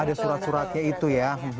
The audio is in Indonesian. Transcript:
ada surat suratnya itu ya